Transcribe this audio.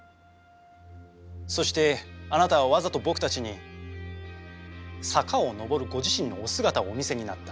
そしてあなたはわざと僕たちに坂を上るご自身のお姿をお見せになった。